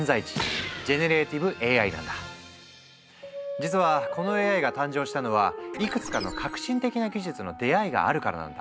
実はこのＡＩが誕生したのはいくつかの革新的な技術の出会いがあるからなんだ。